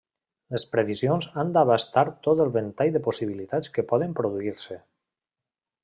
Les previsions han d'abastar tot el ventall de possibilitats que poden produir-se.